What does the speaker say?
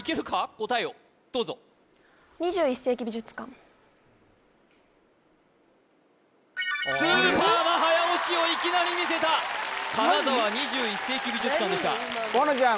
答えをどうぞスーパーな早押しをいきなり見せた金沢２１世紀美術館でした河野ちゃん